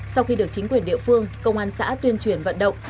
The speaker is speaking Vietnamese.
sau khi được chính quyền địa phương công an xã tuyên truyền vận động